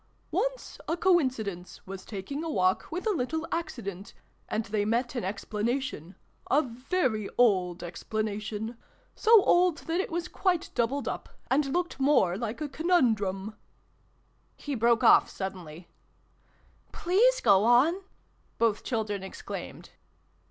" Once a coincidence was taking a walk with a little accident, and they met an explanation a very old explanation so old that it was quite doubled up, and looked more like a conun drum " he broke off suddenly. " Please go on !" both children exclaimed.